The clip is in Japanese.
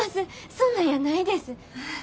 そんなんやないです。